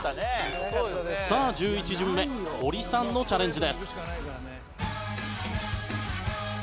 さあ１１巡目ホリさんのチャレンジです。